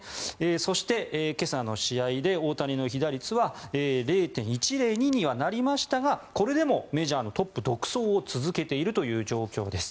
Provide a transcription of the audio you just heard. そして、今朝の試合で大谷の被打率は０．１０２にはなりましたがこれでもメジャーでトップ独走を続けている状況です。